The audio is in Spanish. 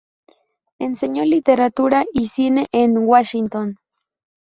Enseñó literatura y cine en Washington.